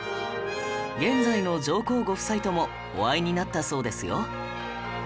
現在の上皇ご夫妻ともお会いになったそうですよ